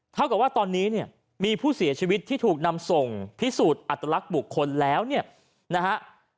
เท่ากับว่าตอนนี้เนี่ยมีผู้เสียชีวิตที่ถูกนำส่งพิสูจน์อัตลักษณ์บุคคลแล้วเนี่ยนะฮะ